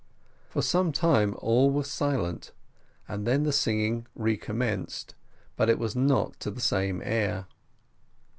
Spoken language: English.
For some time all was silent, and then the singing recommenced, but it was not to the same air.